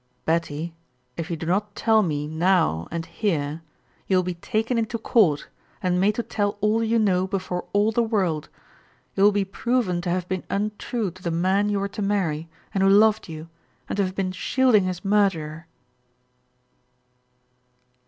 "Betty, if you do not tell me now and here, you will be taken into court and made to tell all you know before all the world! You will be proven to have been untrue to the man you were to marry and who loved you, and to have been shielding his murderer."